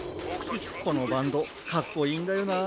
このバンドかっこいいんだよな。